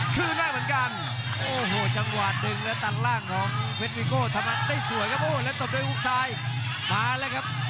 คือนะเหมือนกันโอ้โหจังหวะดึงแล้วตันร่างของเพจวิโกะทำนะได้สวยตันด้วยครุกใสงาน